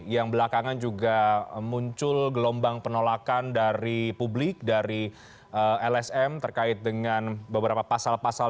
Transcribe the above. yang belakangan juga muncul gelombang penolakan dari publik dari lsm terkait dengan beberapa pasal pasal